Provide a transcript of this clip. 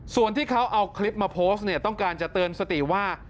ส่วนที่เขาเอาคลิปมาโพสต์เนี่ยต้องการจะเตือนสติว่า